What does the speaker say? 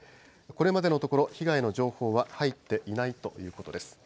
これまでのところ、被害の情報は入っていないということです。